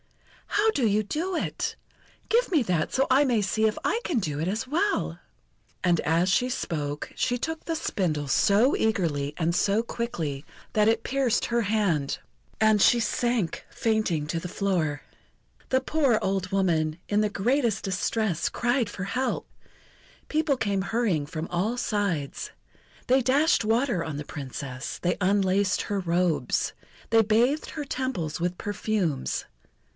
"How do you do it? Give that to me, so I may see if I can do as well!" And as she spoke, she took the spindle so eagerly and so quickly, that it pierced her hand, and she sank fainting to the floor. The poor old woman, in the greatest distress, cried for help. People came hurrying from all sides. They dashed water on the Princess. They unlaced her robes. They bathed her temples with perfumes.